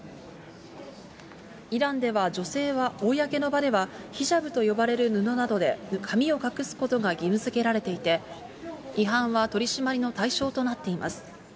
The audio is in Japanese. イランでは女性は公の場では、ヒジャブと呼ばれる布などで髪を隠すことが義務づけられていて、違反は取締りの対象となっています。